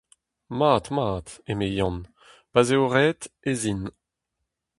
Mat ! mat ! eme Yann, pa'z eo ret, ez in.